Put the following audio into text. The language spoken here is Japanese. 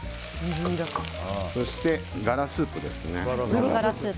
そして、鶏ガラスープですね。